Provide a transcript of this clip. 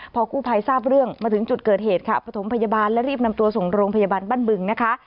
พอกู้ภัยทราบเรื่องมาถึงจุดเกิดเหตุค่ะประถมพยาบาลและรีบนำตัวส่งโรงพยาบาลบ้านบึงนะคะ